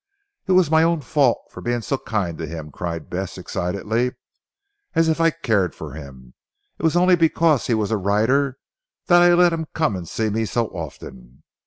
"It was my own fault for being so kind to him," cried Bess excitedly, "as if I cared for him. It was only because he was a writer that I let him come and see me so often.